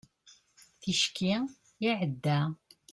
ticki iɛedda